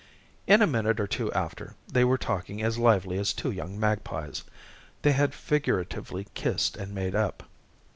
In a minute or two after, they were talking as lively as two young magpies. They had figuratively kissed and made up.